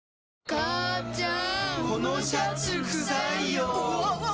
母ちゃん！